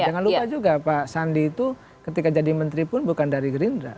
jangan lupa juga pak sandi itu ketika jadi menteri pun bukan dari gerindra